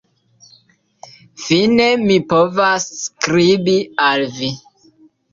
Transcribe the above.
Fine mi povas skribi al vi.